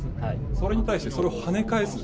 それに対してそれを跳ね返す。